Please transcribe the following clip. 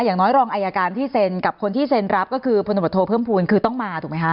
อย่างน้อยรองอายการที่เซ็นกับคนที่เซ็นรับก็คือพลตำรวจโทเพิ่มภูมิคือต้องมาถูกไหมคะ